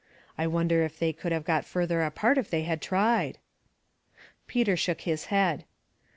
I wonder if they could have got farther apart if they had tried ?" Peter shook his head.